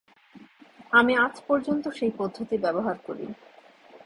আমি আজ পর্যন্ত সেই পদ্ধতি ব্যবহার করি।